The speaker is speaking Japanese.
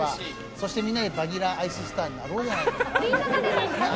そしてみんなでバニラアイススターになろうじゃないか。